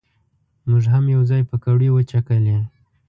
مونږ هم یو ځای پکوړې وچکچلې.